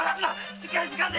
しっかりつかんでいろ！